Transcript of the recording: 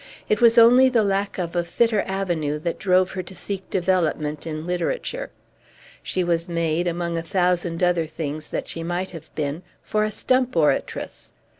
It was only the lack of a fitter avenue that drove her to seek development in literature. She was made (among a thousand other things that she might have been) for a stump oratress.